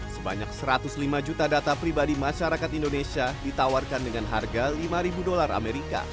sebanyak satu ratus lima juta data pribadi masyarakat indonesia ditawarkan dengan harga lima dolar amerika